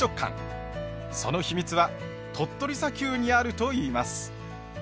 その秘密は鳥取砂丘にあるといいます。